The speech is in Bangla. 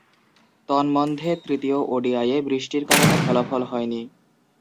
তন্মধ্যে তৃতীয় ওডিআইয়ে বৃষ্টির কারণে ফলাফল হয়নি।